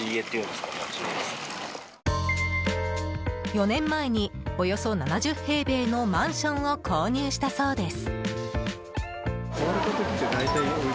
４年前に、およそ７０平米のマンションを購入したそうです。